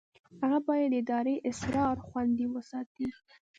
هغه باید د ادارې اسرار خوندي وساتي.